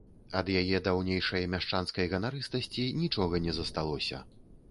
Ад яе даўнейшай мяшчанскай ганарыстасці нічога не засталося.